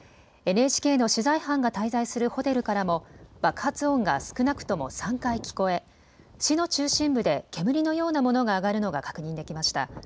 ＮＨＫの取材班が滞在するホテルからも爆発音が少なくとも３回聞こえ、市の中心部で煙のようなものが上がるのが確認できました。